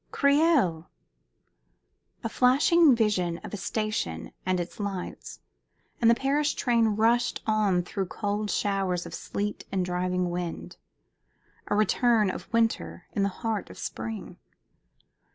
"Creil!" A flashing vision of a station and its lights, and the Paris train rushed on through cold showers of sleet and driving wind, a return of winter in the heart of spring.